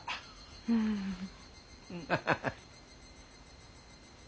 うん。ハハハ。